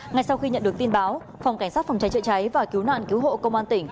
ngay sau khi nhận được tin báo phòng cảnh sát phòng cháy chữa cháy và cứu nạn cứu hộ công an tỉnh